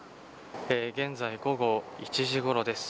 現在、午後１時ごろです。